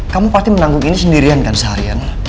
kamu pasti menanggung ini sendirian kan seharian